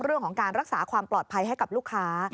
เรื่องของการรักษาความปลอดภัยให้กับลูกค้า